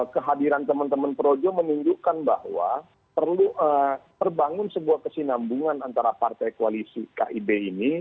kehadiran teman teman projo menunjukkan bahwa perlu terbangun sebuah kesinambungan antara partai koalisi kib ini